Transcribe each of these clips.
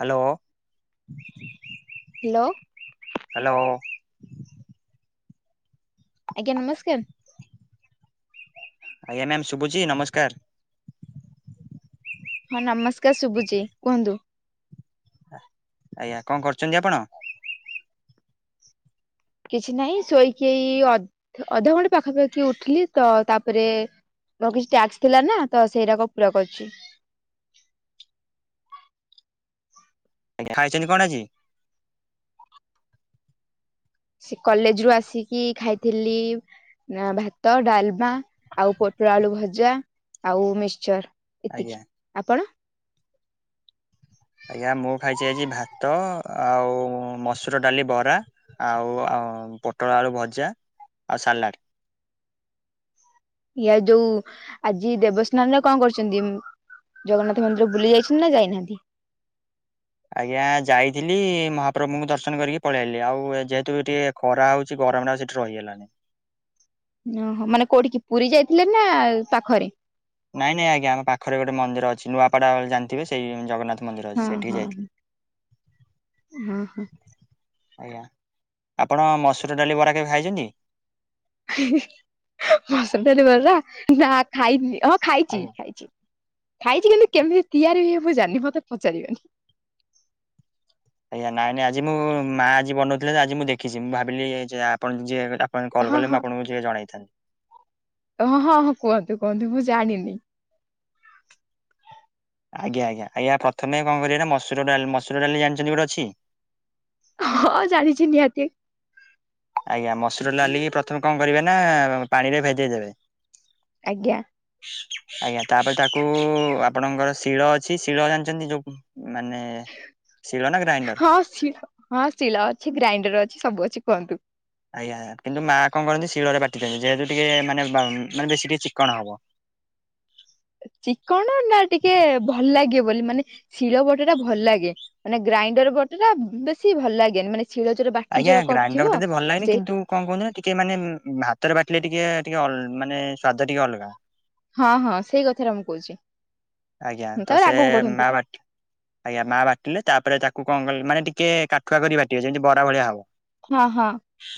Hello hello hello ଆଜ୍ଞା ନମସ୍କାର। ଆଜ୍ଞା ମ୍ୟାମ ଶୁଭୁଛି ନମସ୍କାର। ହଁ ନମସ୍କାର ଶୁଭୁଛି କୁହନ୍ତୁ। ଆଜ୍ଞା କଣ କରୁଛନ୍ତି ଆପଣ? କିଛି ନାହିଁ ଶୋଇକି ଏଇ ଅଧଘଣ୍ଟେ ପାଖାପାଖି ଉଠିଲି ତ ତାପରେ ଆଉ କିଛି ଟ୍ୟାକ୍ସ ଥିଲା ନା ତ ସେଇଟା କ ପୁରା କରୁଛି। ଆଜ୍ଞ ଖାଇଛନ୍ତି କଣ ଆଜି? ସେ କଲେଜରୁ ଆସିକି ଖାଇଥିଲି। ନା ଭାତ ଡାଲମା ଆଉ ପୋଟଳ ଆଳୁ ଭଜା ଆଉ ମିକ୍ସଚର। ଆଜ୍ଞା ଏତିକି ଆପଣ। ଆଜ୍ଞା ମୁଁ ଖାଇଛି ଆଜି ଭାତ ଆଉ ମସୁର ଡାଲି ବରା। ଆଉ ପୋଟଳ ଆଳୁ ଭଜା ଆଉ ସାଲାଡ଼। ୟା ଯୋଉ ଆଜି ଦେବସ୍ନାନରେ କଣ କରୁଛନ୍ତି? ଜଗନ୍ନାଥ ମନ୍ଦିର ବୁଲି ଯାଇଛନ୍ତି ନା ଯାଇନାହାନ୍ତି? ଆଜ୍ଞା ଯାଇଥିଲି ମହାପ୍ରଭୁଙ୍କୁ ଦର୍ଶନ କରିକି ପଳେଇ ଆଇଲି ଆଉ ଯେହେତୁ ଟିକେ ଖରା ହଉଛି ଗରମ ତ ହଉଚି ସେଠି ରହିହେଲାଣି। ଓହୋ ମାନେ କୋଉଠିିକି ପୁରୀ ଯାଇଥିଲେ ନା ପାଖରେ? ନାଇଁ ନାଇଁ ଆଜ୍ଞା ଆମ ପାଖରେ ଗୋଟେ ମନ୍ଦିର ଅଛି ନୂଆପଡା ଜାଣିଥିବେ ସେଇ ଜଗନ୍ନାଥ ମନ୍ଦିର ଅଛି ହଁ ସେଠି ହଁ ଯାଇଥିଲି। ହଁ ଆଜ୍ଞା ଆପଣ ମସୁର ଡାଲି ବରା କେବେ ଖାଇଛନ୍ତି? ମସୁର ଡ଼ାଲି ବରା ନା ଖାଇନି ହଁ ଖାଇଛି ଖାଇଛି। ଖାଇଛି କିନ୍ତୁ କେମିତି ତିଆରି ହୁଏ ମୁଁ ଜାଣିନି ମୋତେ ପଚାରିବେନି। ଆଜ୍ଞା ନାଇଁ ନାଇଁ ଆଜି ମୁଁ ମା ଆଜି ବନଉଥିଲେ ତ ଆଜି ମୁଁ ଦେଖିଛି ମୁଁ ଭାବିଲି ଆପଣ ଯିଏ ଆପଣ କଲ ହଁ କଲେ ମୁଁ ଆପଣଙ୍କୁ ଟିକେ ଜଣାଇଥାନ୍ତି। ଓ ହଁ ହଁ କୁହନ୍ତୁ କୁହନ୍ତୁ ମୁଁ ଜାଣିନି। ଆଜ୍ଞା ଆଜ୍ଞା ଆଜ୍ଞା ପ୍ରଥମେ କଣ କରିବେ ନା ମସୁର ଡାଲି ମଶୁର ଡାଲି ଜାଣିଛନ୍ତି ଗୋଟେ ଅଛି? ହଁ ଜାଣିଛି ନିହାତି। ଆଜ୍ଞା ମସୁର ଡାଲିକି ପ୍ରଥମେ କଣ କରିବେ ନା ପାଣିରେ ଭେଦେଇଦେବେ। ଆଜ୍ଞା। ଆଜ୍ଞା ତାପରେ ତାକୁ ଆପଣଙ୍କର ଶିଳ ଅଛି ଶିଳ ଜାଣିଛନ୍ତି ଯୋଉ ମାନେ ଶିଳ ନା ଗ୍ରାଇଣ୍ଡର? ହଁ ହଁ ଶିଳ ଅଛି ଗ୍ରାଇଣ୍ଡର ଅଛି ସବୁ ଅଛି କୁହନ୍ତୁ? ଆଜ୍ଞା କିନ୍ତୁ ମା କଣ କରନ୍ତି ଶିଳରେ ବାଟି ଦେବେ ଯେହେତୁ ଟିକେ ମାନେ ମାନେ ବେଶୀ ଟିକେ ଚିକ୍ଣ ହବ। ଚିକଣ ନା ଟିକେ ଭଲ ଲାଗେ ବୋଲି ମାନେ ଶିଳ ବଟ ଟା ଭଲ ଲାଗେ ମାନେ ଗ୍ରାଇଣ୍ଡର ବଟା ଟା ବେଶୀ ଭଲ ଲାଗେନି ମାନେ ଶିୀଳରେ ଯୋରା ବାଟିଚ ଆଜ୍ଞା ସେରା ଗ୍ରାଇଣ୍ଡର ମତେ କରିଥିବ। ଏତେ ଭଲ ଲାଗେନି ସେ କିନ୍ତୁ କଣ କହୁଛନ୍ତି ନା ଟିକେ ମାନେ ହାତରେ ବାଟିଲେ ଟିକେ ଟିକେ ମାନେ ସ୍ଵାଦ ଟିକେ ଅଲଗା। ହଁ ହଁ ସେଇ କଥାଟା ମୁଁ କହୁଚି। ଆଜ୍ଞା ତ ସେ ମା ବା ଟି ଆଜ୍ଞା ମା ବାଟିଲେ ତାପରେ ତାକୁ କଣ କଲେ ମାନେ ଟିକେ କାଠୁଆ କରି ବାଟିବେ ଯେମିତି ବରା ଭଳିଆ ହବ। ହଁ ହଁ।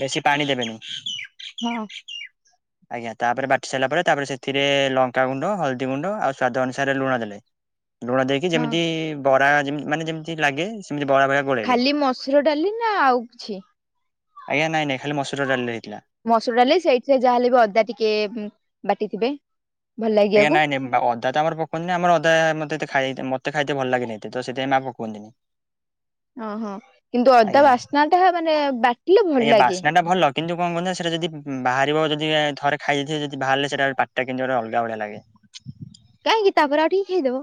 ବେଶୀ ପାଣି ଦେବେନେହିଁ। ହୁଁ। ଆଜ୍ଞା ତାପରେ ବାଟି ସାରିଲା ପରେ ତାପରେ ସେଥିରେ ଲଙ୍କା ଗୁଣ୍ଡ ହଳଦୀ ଗୁଣ୍ଡ ଆଉ ସ୍ଵାଦ ଅନୁ ସା ତାପରେ ଲୁଣ ଦେଲେ ଲୁଣ ଦେଇକି ହଁ। ଯେମିତି ବରା ମାନେ ଯେମିତି ଲାଗେ ସେମିତି ବରାଭଳିଆ ଖାଲି ମସୁର ଡାଲି ନା ଆଉ କିଛି? ଆଜ୍ଞାାନାଇଁ ନଇଁ ଖାଲି ମସୁର ଡାଲିରେ ହେଇଥିଲା। ମସୁର ଡାଲି ସେଇଥିରେ ଯାହାହେଲେ ବି ଅଦା ଟିକେ ବାଟିଥିବେ। ଭଲ ଆଜ୍ଞା ଲାଗିବାକୁ। ନାଇଁ ନଇଁ ବାଗହବନେହଁ। ଅଦା ତ ଆମର ପକୁଅନ୍ତିନେହିଁ ଆମର ଅଦା ମତେ ଏତେ ମତେ ଖାଇତେ ଭଲ ଲାଗେନେହଁ ତ ସେଥିପାଇଁ ମା ପକୁଅନ୍ତିନେହିଁ। ଓହୋ କିନ୍ତୁ ଅଦା ଆଜ୍ଞା ବାସ୍ନାଟା ମାନେ ବା ଆଜ୍ଞା ବାସ୍ନା ଟା ଭଲ। କିନ୍ତୁ କଣ କହନ୍ତି ସେଇଟା ଯଦି ବାହାରିବ ଯଦି ଥରେ ଖାଇ ଦେଇଥିଵେ ଯେଦି ବାହାରିଲେ ସେଟା ପାଟିଟା କିିମିତିଆ ଗୋଟେ ଅଲଗା ଭଳିଆ ଲାଗେ। କାହିଁକି ତାପରେ ଆଉ ଟିକିଏ ଖାଇଦବ।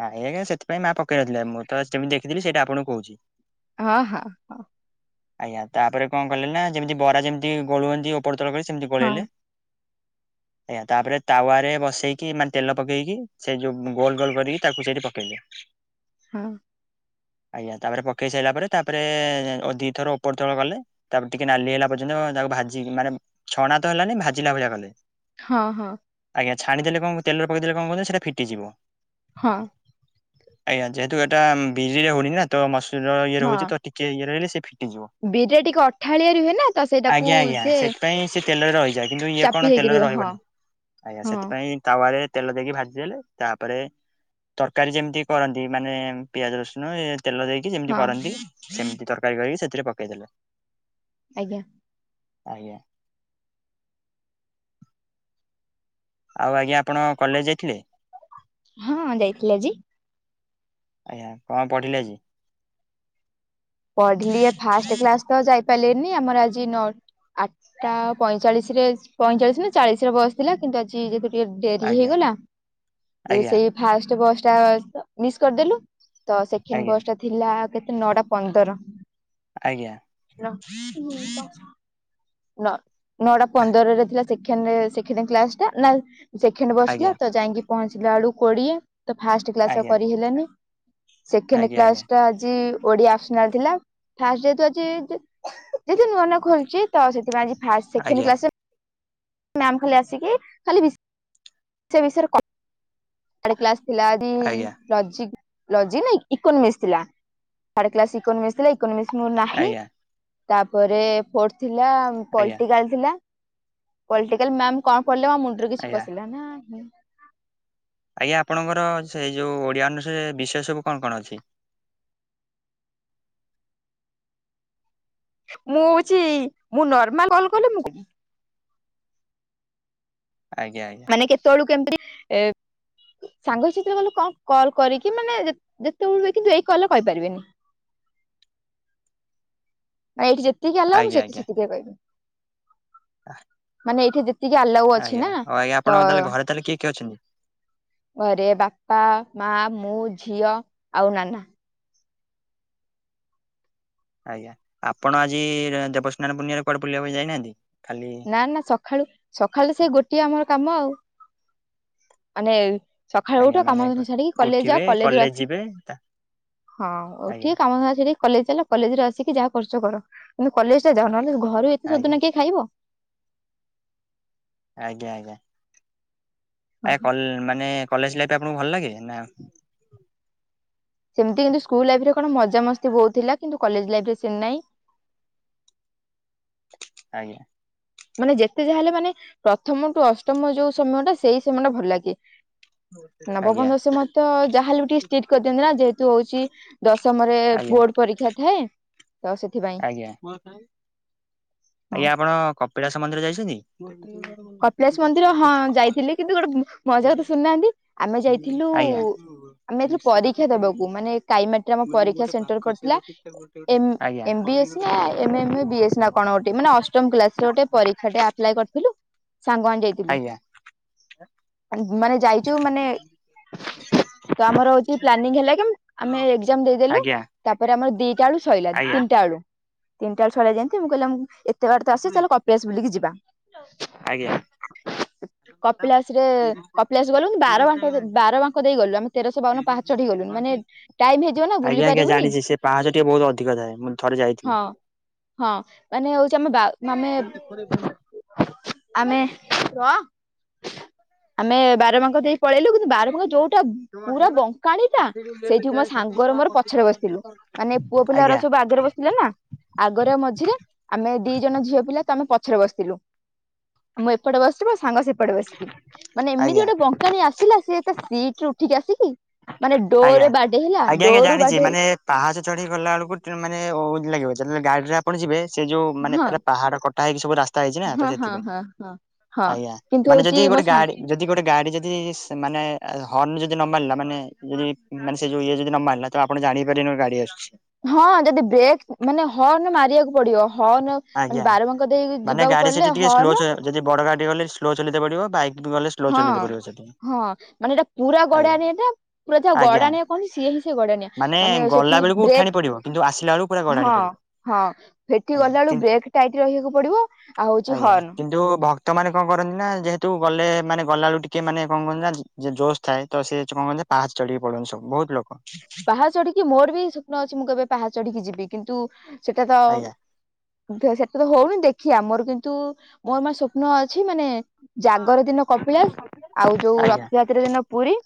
ନାଇଁ ଆଜ୍ଞା ସେଥିପାଇ ମା ପକେଇ ନ ଥିଲା ମୁଁ ତ ସେମିତି ଦେଖିଥିଲି ସେଇଟା ଆପଣଙ୍କୁ କହୁଚି। ଓ ହଁ ହଁ। ଆଜ୍ଞା ତାପରେ କଣ କଲେ ନା ଯେମିତି ବରା ଯେମିତି ଗୋଳୁଅନ୍ତି ଉପର ତଳ କରି ସେମିତି ହଁ ଗୋଳେଇଲେ। ଆଜ୍ଞା ତାପରେ ତାୱାରେ ବସେଇକି ମାନେ ତେଲ ପକେଇକି ସେ ଯୋଉ ଗୋଲ ଗୋଲ କରିକି ତାକୁ ସେଇଠି ପକେଇଲେ। ହଁ। ଆଜ୍ଞା ତାପରେ ପକେଇ ସାଇଲା ପରେ ତାପରେ ଦିଥର ଉପର ତଳ କଲେ। ତାପରେ ଟିକେ ନାଲି ହେଲା ପର୍ଯ୍ୟନ୍ତ ତାକୁ ଭାଜି ମାନେ ଛଣା ତ ହେଲାନି ଭାଜିଲା ଭଳିଆ କଲେ। ହଁ ହଁ। ଆଜ୍ଞା ଛାଣିଦେଲେ କଣ ତେଲ ପକେଇଦେଲେ କଣ କୁହତୁନା ସେଟା ଫିଟିଯିବ। ହଁ। ଆଜ୍ଞା ଯେହେତୁ ଏଟା ବିରିରେ ହଉନି ନା ତ ମସୁର ଇଏ ର ହହୁଚି ତ ଟି ଟିକେ ଇଏ ରହିଲ ସିଏ ଫିଟିଯିବ। ବିରି ଟିକେ ଅଠାଳିଆରୁ ହେ ନା ତ ସେଇଟାକୁ ଆଜ୍ଞା ଆଜ୍ଞା ସେ ସେଥିପାଇଁ ସେ ତେଲରେ ରହିଯାଏ କିନ୍ତୁ ଇଏ ଚାପି କଣ ହେଇକି ତେଲରେ ରୁହେ ହଁ ରହିବନି ଆଜ୍ଞା ହଁ ସେଥିପାଇଁ ତାୱରେ ତେଲ ଦେଇକି ଭାଜି ଦେଲେ ତାପରେ ତରକାରୀ ଯେମିତି କରନ୍ତି ମାନେ ପିଆଜ ରସୁଣ ତେଲ ଦେଇକି। ଯେମିତି ହଁ କରନ୍ତି ସେମିତି ତରକାରୀ କରିକି ସେଥିରେ ପକେଇଦେଲେ। ଆଜ୍ଞା। ଆଜ୍ଞା। ଆଉ ଆଜ୍ଞା ଆପଣ କଲେଜ ଯାଇଥିଲେ? ହଁ ଯାଇଥିଲି ଆଜି। ଆଜ୍ଞା। କଣ ପଢ଼ିଲେ ଆଜି? ପଢିଲି ଫାଷ୍ଟ କ୍ଲାସ ତ ଯାଇ ପାରିଲିନି ଆମର ଆଜି ନୋ ଆଠଟା ପଇଁଚାଳିଶରେ ପଇଁଚାଳିଶ ନା ଚାଳିଶରେ ବସ ଥିଲା କିନ୍ତୁ ଆଜି ଯେତେ ଟିକେ ଡେରି ଆଜ୍ଞା ହେଇଗଲା ଯେ ଆଜ୍ଞା ସେଇ ଫାଷ୍ଟ ବସ୍ ଟା ମିସ୍ କରିଦେଲୁ। ତ ସେକେଣ୍ଡ ଆଜ୍ଞା ବସ୍ ଟା ଥିଲା ଆଉ କେତେ ନଅଟା ପନ୍ଦର। ଆଜ୍ଞା [unintelligible] ନ ନଅଟା ପନ୍ଦରରେ ଥିଲା ସେକେଣ୍ଡ ସେକେଣ୍ତ କ୍ଲାସ ଟା ନା ସେକେଣ୍ଡ ବସ ଥିଲା ଆଜ୍ଞା ତ ଯାଇକି ପହଞ୍ଚିଲା ବେଳକୁ କୋଡିଏ ତ ଫାଷ୍ଟ କ୍ଲାସ ଆଉ ଆଜ୍ଞା କରିହେଲାନି। ସେକେଣ୍ଡ ଆଜ୍ଞା ଆଜ୍ଞା କ୍ଲାସ ଟା ଆଜି ଓଡିଆ ଅପ୍ସ ନାଲ୍ ଥିଲା ଫାଷ୍ଟ ଯେହେତୁ ଆଜି ଯେହେତୁ ନୂଆ ନୂଆ ଖୋଲୁଛି ତ ସେଥିପାଇଁ ଆଜି ଫାଷ୍ଟ ସେକେଣ୍ଡ ଆଜ୍ଞା କ୍ଲାସରେ ମ୍ୟାମ ଖାଲି ଆସିକି ଖାଲି ବିଷୟ ସେ ବିଷୟରେ କଥା [inaudible] କ୍ଲାସ ଥିଲା ରିଲ ଆଜ୍ଞା ଆଜ୍ଞା ଲଜିକ୍ ଲଜିକ ନାଇଁ ଇକୋନୋମିକ୍ସ ଥିଲା ଥାର୍ଡ କ୍ଲାସ ଇକୋନୋମିକ୍ସ ଥିଲା ଇକ ଇକୋନୋମିକ୍ସ ମୁଁ ନାହିଁ ଆଜ୍ଞା ତାପରେ ଫୋର୍ଥ ଥିଲା ଆଜ୍ଞା ପଲ୍ଟିକାଲ ଥିଲା। ପଲ୍ଟିକାଲ ମ୍ୟାମ କଣ ପଢେଇଲେ ମୋ ମୁଣ୍ଡରେ କିଛି ପଶିଲା ନାହିଁ। ଆଜ୍ଞା ଆପଣଙ୍କର ସେଇ ଯୋଉ ଓଡିଆ ଅନର୍ଷରେ ବିଷୟ ସବୁ କଣ କଣ ଅଛି? ମୁଁ ହଉଛି ମୁଁ ନର୍ମାଲ କଲ କଲେ ମୁଁ କହିବି। ଆଜ୍ଞା ଆଜ୍ଞା। ମାନେ କେତେବେଳୁ କେମିତି ଏ ସାଙ୍ଗ ସାଥିରେ ଗଲେ କଣ କଲ୍ କରିକି ମାନେ ଯେ ଯେତେବେଳେ କିନ୍ତୁ ଏଇ କଲ ରେ କହିପାରିବିନି। ମାନେ ଏଇଠି ଯେତିକି ଆଲାଉ ମୁଁ ସେତି ସେତିକିରେ କହିବି। ଆହଃ। ମାନେ ଏଇଠି ଯେତିକି ଆଲାଉ ଅଛି ନା ତ ଆପଣଙ୍କ ତାହେଲେ ଘରେ ତାହେଲେ କିଏ କିଏ ଅଛନ୍ତି? ଘରେ ବାପା, ମାଁ, ମୁଁ, ଝିଅ ଆଉ ନାନା। ଆଜ୍ଞା ଆପଣ ଆଜି ଦେବସ୍ନାନ ପୂର୍ଣିମାରେ କୁଆଡେ ବୁଲିବାକୁ ଯାଇନାହାନ୍ତି ଖାଲି ନା ନା ସକାଳୁ ସକାଳୁ ସେ ଗୋଟିଏ ଆମର କାମ ଆଉ। ମାନେ ସକାଳୁ ଆଜ୍ଞା ଉଠ ମାନେ କାମ ଧନ୍ଦା ସାରିକି କଲେଜ ଉଠିବେ ଯାଅ କଲେଜରୁ କଲେଜ ଆସିକି ଯିବେ ତା ହଁ ଆଜ୍ଞା ଉଠିକି କାମ ଧନ୍ଦା ସାରିକି କଲେଜ ଚାଲ କଲେଜରୁ ଆସିକି ଯାହା କରୁଛ କର କିନ୍ତୁ କଲେଜ ଟା ଯାଅ ନହେଲେ ଘରେ ଏତେ ଆଜ୍ଞା ସୋଦଣା କିଏ ଖାଇବ। ଆଜ୍ଞା ଆଜ୍ଞା। ଆ କଲ ମାନେ କଲେଜ ଲାଇଫ ଆପଣଙ୍କୁ ଭଲ ଲାଗେ ନା ସେମିତି କିନ୍ତୁ ସ୍କୁଲ ଲାଇଫ ରେ କଣ ମଜା ମସ୍ତି ବହୁତଥିଲା କିନ୍ତୁ କଲେଜ ଲାଇଫରେ ସେମିତି ନାହିଁ। ଆଜ୍ଞା। ମାନେ ଯେତେ ଯାହା ହେଲେ ମାନେ ପ୍ରଥମଠୁ ଅଷ୍ଟମ ଯୋଉ ସମୟ ଟା ସେଇ ସମୟ ଟା ଭଲ ଲାଗେ। ନବମ ଆଜ୍ଞା ଦଶମ ତ ଯାହାହେଲେ ବି ଟିକେ ଷ୍ଟ୍ରିକ୍ଟ କରିଦିଅନ୍ତି ନା ଯେହେତୁ ହେଉଛି ଦଶମରେ ଆଜ୍ଞା ବୋର୍ଡ ପରୀକ୍ଷା ଥାଏ ତ ସେ ଆଜ୍ଞା। ହଁ ଆଜ୍ଞା ଆପଣ କପିଳାସ ମନ୍ଦିର ଯାଇଛନ୍ତି? କପିଳାଶ ମନ୍ଦିର ହଁ ଯାଇଥିଲି କିନ୍ତୁ ଗୋଟେ ମଜା କଥା ଶୁଣିନାହାନ୍ତି। ଆମେ ଯାଇଥିଲୁ ଆଜ୍ଞା ଆମେ ଯାଇଥିଲୁ ପରୀକ୍ଷା ଦବାକୁ ମାନେ କାଇମାଟିରେ ଆମ ପରୀକ୍ଷା ସେଣ୍ଟର ପଡିଥିଲା। ଏମ ଆଜ୍ଞା ଏଫ ବିଏସ୍ ନା M M A B S ନା କଣ ଗୋଟେ ମାନେ ଅଷ୍ଟମ କ୍ଲାସ ରେ ଗୋଟେ ପରୀକ୍ଷା ଟେ ଆପ୍ଲାଏ କରିଥିଲୁ। ସାଙ୍ଗ ମାନେ ଯାଇଥିଲୁ ଆଜ୍ଞା ମାନ ମାନେ ଯାଇଛୁ ମାନେ ତ ଆମର ହଉଛି ପ୍ଲାନିଂ ହେଲା କି ଆମେ ଆମେ ଏକ୍ଜାମ ଦେଇଦେଲୁ ଆଜ୍ଞା ତାପରେ ଆମର ଦିଟା ବେଳୁ ସଇଲା ଆଜ୍ଞା ଆଜ୍ଞା ତିନିଟା ବେଳୁ ତିନିାଟା ବେଳୁ ସଇଲା ଯେିମିତି ମୁଁ କହିଲି ଆମେ ଏ ତେ ବାଟ ତ ଆସିଛି ଚାଲ କପିଳାସ ବୁଲିକି ଯିବା। ଆଜ୍ଞା। କପିଳାସ ରେ କପିଳାସ ଗଲୁ ବାରବାଙ୍କ ବାର ବାଙ୍କ ଦେଇଗଲୁ ଆମେ ତେରଶହ ବାଉନ ପାହାଁଞ୍ଚ ଚଢିକି ଗଲୁନୁ ମାନେ ଟାଇମ ହେଇଯିବ ନା। ବୁଲି ଆଜ୍ଞା ଆଜ୍ଞା ପାରିବୁନି ଜାଣିଛି ସେ ପାହାଚ ଟିକେ ବହୁତ ଅଧିକ ଥାଏ ମୁଁ ଥରେ ଯାଇଥିଲି। ହଁ ହଁ ମାନେ ହଉଛି ଆମେ ବା ମାନେ [unintelligible] ଆମେ ରହ ଆମେ ବାର ବାଙ୍କ ଦେଇ ପଳେଇଲୁ କିନ୍ତୁ ବାର ବାଙ୍କ ଯୋଉ ପା ପୁରା ବଙ୍କାଣୀ ଟା। ସେଇଠି ମୋ ସାଙ୍ଗରେ ମୋର ପଛରେ ବସିଥିଲୁ ମାନେ ପୁଅ ପିଲା ରା ଆଜ୍ଞା ସବୁ ଆଗରେ ବସିଥିଲେ ନା। ଆଗରେ ମଝିରେ ଆମେ ଦି ଜଣ ଝିଅ ପିଲା ତ ଆମେ ପଛରେ ବସିଥିଲୁ। ମୁଁ ଏପଟେ ବସିଛି ମୋ ସାଙ୍ଗ ସେପଟେ ବସିଛି ମାନେ ଏମିତି ଆଜ୍ଞା ଗୋଟେ ବଙ୍କ ଜାଣି ଆସିଲା ସିଏ ତା ସିଟରେ ଉଠିକି ଆସିକି ମାନେ ଡୋର ଆଜ୍ଞା ରେ ବାଡେ ହେଲା ଆଜ୍ଞା ଆଜ୍ଞା ଡୋରୁ ଜାଣିଛି ବାଡେଇ ହେଇ ମାନେ ପାହାଚ ଚଢେଇ ଗଲା ବେଳକୁ ମାନେ ଲାଗିବ ଯେତେବେଳେ ଗାଡିରେ ଆପଣ ଯିବେ ସେ ଯୋଉ ମାନେ ହଁ ପାହାଡ଼। ହଁ ହେଇକି ସବୁ ରାସ୍ତା ହେଇଛି ନା ତ ହଁ ହଁ ସେଥିପାଇଁ, ହଁ ହଁ। ହଁ ଆଜ୍ଞା କିନ୍ତୁ ମାନେ ହଉଛି ଯଦି ମୋ ଗୋଟେ ସାଙ୍ଗ ଗାଡି ଯଦି ଗୋଟେ ଗାଡି ଯଦି ମାନେ ହର୍ଣ ଯଦି ନ ମାରିଲା ମାନେ ଉଁ ଯଦି ମାନେ ସେ ଯୋ ଇଏ ଯଦି ନ ମାରିଲା ତ ଆପଣ ଜାଣି ବି ପାରିବେନି ଗାଡି ଆସୁଛି। ହଁ ଯଦି ବ୍ରେକ୍ ମାନେ ହର୍ଣ ମାରିବାକୁ ପଡିବ ହର୍ଣ ଆଜ୍ଞା। ମାନେ ବାରବାଙ୍କର ଦେଇକି ମାନେ ଯିବାକୁ ଗାଡି ସେଠି ପଡିଲେ ଟିକେ ସ୍ଲୋ ଚ ହର୍ଣ। ଯଦି ବଡ ଗାଡି ଗଲେ ସ୍ଲୋ ଚଲେଇ ତେ ପଡିବ ବାଇକ୍ ବି ଗଲେ ସ୍ଲୋ ହଁ ଚଲେଇତେ ପଡିବ ସେଠି। ହଁ ମାନେ ଏଇଟା ପୁରା ଗଡା ଆଜ୍ଞା ନିଆଟା ପୁରା ଯା ଆଜ୍ଞା ଗଡା ନି କଣ ସିଏ ହିଁ ସେ ଗଡଣିଆ ମାନେ ଗଲା ସେଠି ବେଳକୁ ଉଠାଣି ବ୍ରେକ୍ ପଡିବ କିନ୍ତୁ ଆସିଲା ବେଳକୁ ପୁରା ହଁ। ଗଡାଣି ପଡିବ। ହଁ ସେଠି ଆଜ୍ଞା ଗଲା କିନ୍ତୁ ବେଳକୁ ବ୍ରେକ୍ ଟାଇଟ ରହିବାକୁ ପଡିବ ଆଉ ହଉଛି ହର୍ଣ। ଯଉ ତ ମାନ କଣ କରନ୍ତି ନା ଯେହେତୁ ଗଲେ ମାନେ ଗଲା ବବେଳୁ ଟିକେ ମାନେ କଣ କରନ୍ତି ନା ଯେ ଜୋସ୍ ଥାଏ ତ ସେ କଣ କର ପାହାଚ ଚଢିକି ପଳୁଅନ୍ତି ସବୁ ବହୁତ ଲୋକ। ପାହାଚ ଚଢିକି ମୋର ବି ସ୍ୱପ୍ନ ଅଛି ମୁଁ କେବେ ପାହା ଚଢିକି ଯିବି କିନ୍ତୁ ସେଟା ତ ଆଜ୍ଞା ସେଟା ତ ହଉନି ଦେଖିିବା ମୋର କିନ୍ତୁ ମୋର ମ ସ୍ୱପ୍ନ ଅଛି ମାନେ ଜାଗର ଦିନ କପିଳାସ, ଆଉ ଯୋଉ ଆଜ୍ଞା ରଥଯାତ୍ରା ଦିନ ପୁରୀ,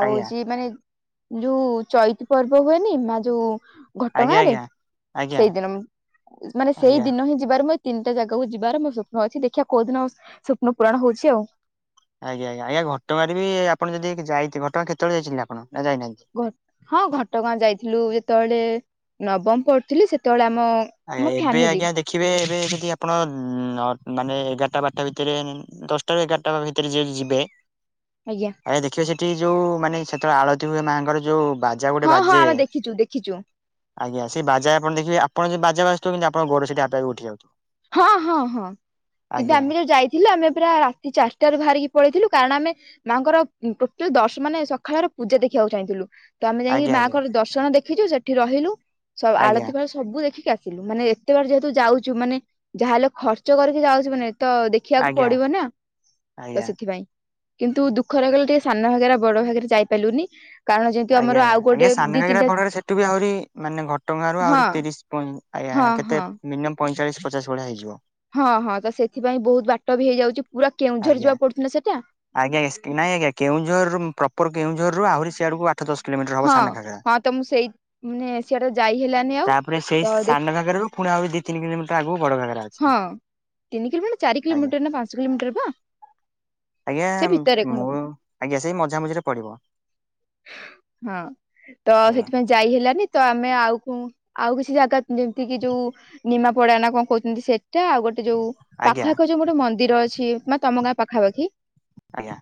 ଆଉ ଆଜ୍ଞା ଯିଏ ମାନେ ଯୋଉ ଚୈତି ପର୍ବ ହୁଏନି ମା ଯୋଉ ଘଟ ଗାଁ ଆଜ୍ଞା ରେ ଆଜ୍ଞା ଆଜ୍ଞା ସେଇଦିନ ମାନେ ସେଇ ଆଜ୍ଞା ଦିନ ହିଁ ଯିବାର ମୁ ତିନିଟା ଜାଗାକୁ ଯିବାର ମୋ ସ୍ୱପ୍ନ ଅଛି ଦେଖିବା କୋଉ ଦିନ ଆ ସ୍ୱପ୍ନ ପୂରଣ ହଉଛି ଆଉ। ଆଜ୍ଞା ଆଜ୍ଞା ଆଜ୍ଞା ଘଟଗାଁ ରେ ବି ଆପଣ ଯଦି ଯାଇ ଘଟଗାଁ କେତେବେଳେ ଯାଇଛନ୍ତି ଆପଣ ନା ଯାଇନାହାନ୍ତି? ଘ ହଁ ଘଟଗାଁ ଯାଇଥିଲୁ ଯେତେବେଳେ ନବମ ପଢୁଥିଲି ସେତେବେଳେ ଆମ ଆମ ଆଜ୍ଞା ଏବେ ଫ୍ୟାମିଲି ଆଜ୍ଞା ଦେଖ ଦେଖିବେ ଏବେ ଯଦି ଆପଣ ଅ ମାନେ ଏଗାରଟା ବାରଟା ଭିତରେ ଦଶଟା ତ ଏଗାରଟା ଭିତରେ ଯଦି ଯିବେ। ଆଜ୍ଞା। ଆଜ୍ଞା ଦେଖିବେ ସେଠି ଯେଉ ମାନେ ସେତେବେଳେ ଆଳତି ହୁଏ ମାଆଙ୍କର ଯେଉ ବା ବାଜା ଗୋଟେ ହଁ ହଁ ବାଜେ ଆମେ ଦେଖିଛୁ ଦେଖିଛୁ ଆଜ୍ଞା ସେ ବାଜା ଆପଣ ଦେଖିବେ ସେଠି ବାଜା ବାଜୁଥିବ କିନ୍ତୁ ଆପଣଙ୍କ ଗୋଡ଼ ସେଠି ଆପେ ଆପେ ଉଠିଯାଉଥିବ। ହଁ ହଁ ହଁ କିନ୍ତୁ ଆମେ ଯୋଉ ଯାଇ ଥିଲ ଆମେ ପାୟ ରାତି ଚାରିଟାରୁ ବାହାରିକି ପଳେଇଥିଲୁ କାରଣ ଆମେ ମାଙ୍କର ଟୋଟାଲ ଦଶ ମାନେ ସକାଳର ପୂଜା ଦେଖିବାକୁ ଚାହିଁଥିଲୁ। ତ ଆମେ ଯାଇକି ଆଜ୍ଞା ଆଜ୍ଞା ମାଆଙ୍କର ଦର୍ଶନ ଦେଖିଛୁ ସେଠି ରହିଲୁ ସବ ଆଜ୍ଞା ଆଳତି ଫାଳ ସବୁ ଦେଖିକି ଆସିଲୁ ମାନେ ଏତେବାଟ ଯେହେତୁ ଯାଉଛୁ ମାନେ ଯାହାହେଲେ ଖର୍ଚ୍ଚ କରିକି ଯାଉଛୁ ମାନେ ତ ଦେ ଦେଖିବାକୁ ଆଜ୍ଞା ପଡିବ ନା ତ ଆଜ୍ଞା। ସେଥିପାଇଁ। କିନ୍ତୁ ଦୁଃଖ ରହିଗଲା ଟିକେ ସାନ ଘାଗେରା ବଡ ଘାଗେରା ଯାଇପାରିଲୁନି। କାରଣ ଯେହେତୁ ଆଜ୍ଞା ଆମର ଆଜ୍ଞା ଆଉ ଆଜ୍ଞା ଗୋଟେ ସାନ ଦି ଘାଗେରା ତିନିଟା ବଡର ସେଠୁ ବି ଆହୁରି ମାନେ ଘଟଗାଁରୁ ହଁ ଆହୁରି ତିରିଶ ପଇଁ ଆଜ୍ଞା ହଁ କେତେ ହଁ ମିନିମମ୍ ପଇଁଚାଳିଶ ପଚାଶ ଭଳିଆ ହେଇଯିବ। ହଁ ହଁ ତ ସେଥିପାଇଁ ବହୁତ ବାଟ ବି ହେଇଯାଉଛି ପୁରା କେଉଁଝର ଯିବା ପଡୁଚିନା ସେଟା। ଆଜ୍ଞା ଆଜ୍ଞା ନାଇଁ ଆଜ୍ଞା କେଉଁଝରରୁ ପ୍ରପର କେଉଁଝରରୁୁ ଆହୁରି ସିଆଡକୁ ଆଠ ଆଠ ଦଶ କିଲୋମିଟର ହବ ହଁ ସାନ ଘାଗରା ହଁ ତ ମୁଁ ସେଇ ମାନେ ସିଆଡେ ଯାଇ ହେଲାନି ଆଉ ତାପରେ ସେଇ ତ ଦେଖ ସାନ ଘାଗରାରୁ ପୁଣି ଆହୁରି ଦି ତିନି କିଲୋମିଟର ଆଗକୁ ବଡ଼ ଘାଗରା ଅଛି। ହଁ ତିନି କିଲୋମିଟର ଚାରି ଆଜ୍ଞା କିଲୋମିଟର ନା ପାଞ୍ଚ କିଲୋମିଟର ପା? ଆଜ୍ଞା ମୁଁ ଆଜ୍ଞା ସେଇ ମଝାମଝିରେ ପଡିବ। ହଁ ତ ଆଜ୍ଞା ହେଥିପାଇଁ ଯାଇ ହେଲାନି ତ ଆମେ ଆଉ କୋଉ ଆଉ କିଛି ଜାଗା ଯେମିତି କିି ଯୋଉ ନିମାପଡା ନା କଣ କହୁଚନ୍ତି ସେଟା ଆଉ ଗୋଟ ସେ ଯୋଉ ଆଜ୍ଞା ପାଖ ଆଖ ଯୋଉ ଗୋଟେ ମନ୍ଦିର ଅଛି ମାନେ ତମ ଗାଁ ପାଖାପାଖି ଆଜ୍ଞା।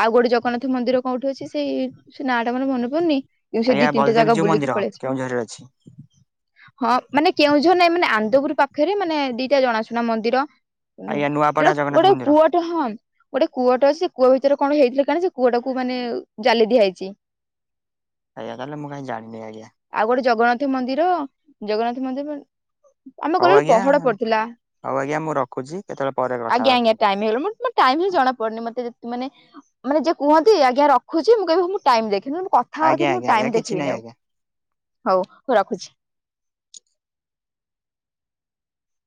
ଆଉ ଗୋଟେ ଜଗନ୍ନାଥ ମନ୍ଦିର କୋଉଠି ଅଛି ସେଇ ସେ ନାଁ ଟା ମୋର ମନେ ପଡୁନି ମୁଁ ବି ସେ ଦି ଆଜ୍ଞା ତିନଟା ଜାଗା ବଳଦେବଜୀଉ ବୁଲିକି ମନ୍ଦିର ପଳେଆସିବି। କେଉଁଝରରେ ଅଛି। ହଁ ମାନେ କେଉଁଝର ନାଇଁ ମାନେ ଆନନ୍ଦପୁର ପାଖେରେ ମାନେ ଦିଟା ଜଣାଶୁଣା ମନ୍ଦିର ହୁଁ ଆଜ୍ଞା ଯୋଟା ନୂଆପଡା ଜଗନ୍ନାଥ ଗୋଟେ ମନ୍ଦିର କୁଅ ହଁ ଗୋଟେ କୂଅଟେ ଅଛି ସେ କୂଅ ଭିତରେ କଣ ହେଇଥିଲା କେଆଣି ସେ କୂଅଟାକୁ ମାନେ ଜାଲି ଦିଆହେଇ ଚି। ଆଜ୍ଞା ତାହେଲେ ମୁଁ କାଇଁ ଜାଣିନି ଆଜ୍ଞା। ଆଉ ଗୋଟେ ଜଗନ୍ନାଥ ମନ୍ଦିର ଜଗନ୍ନାଥ ମନ୍ଦିର ଆମେ ହଉ ଗଲାବେଳୁ ଆଜ୍ଞା ପହଡ ପଡିଥିଲା। ହଉ ଆଜ୍ଞା ମୁଁ ରଖୁଚି କେତେବେଳେ ପରେ କଥା ଆଜ୍ଞା ହବା ଆଜ୍ଞା ଫାଙ୍କା ଟାଇମ ହେଇଗଲା ମୋ ଟାଇମ ହିଁ ଜଣା ପଡୁନି ମତେ ଯେ ମାନେ ମାନେ ଯିଏ କୁହନ୍ତି ଆଜ୍ଞା ରଖୁଚି ମୁଁ କହିବି ହଁ ମୁଁ ଟାଇମ ଦେଖିନି ମୁଁ କାଟ୍ କଥା ଆଜ୍ଞା ହଉଥିବି ମୁଁ ଆଜ୍ଞା ଆଜ୍ଞା ଟାଇମ କିଛି ନାହିଁ ଦେଖିବିନି ଆଉ ଆଜ୍ଞା। ହଉ ମୁଁ ରଖୁଛି।